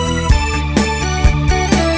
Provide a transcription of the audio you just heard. aku deh gua